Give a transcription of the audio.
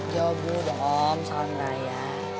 jawab dulu dong om salam raya